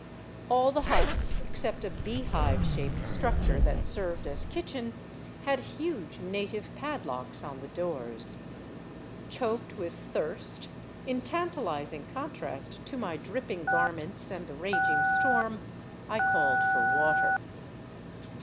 All the huts, except a beehive shaped structure that served as kitchen, had huge native padlocks on the doors. Choked with thirst, in tantalizing contrast to my dripping garments and the raging storm, I called for water.